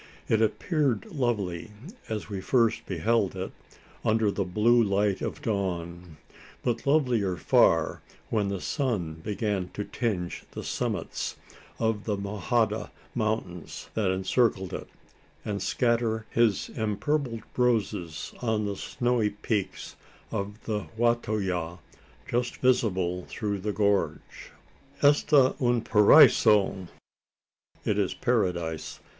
It appeared lovely as we first beheld it under the blue light of dawn; but lovelier far, when the sun began to tinge the summits of the Mojada Mountains that encircled it, and scatter his empurpled roses on the snowy peaks of the Wa to yah just visible through the gorge. "Esta un Paraiso!" (It is a Paradise!)